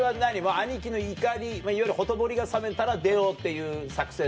兄貴の怒りいわゆるほとぼりが冷めたら出ようっていう作戦なの？